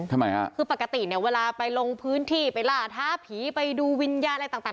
ทำไมฮะคือปกติเนี่ยเวลาไปลงพื้นที่ไปล่าท้าผีไปดูวิญญาณอะไรต่าง